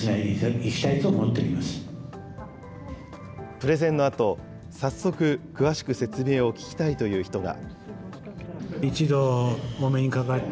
プレゼンのあと、早速、詳しく説明を聞きたいという人が。